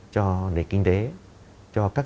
cho nền kinh tế cho các